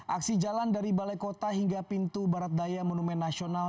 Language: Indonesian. aksi jalan dari balai kota hingga pintu barat daya monumen nasional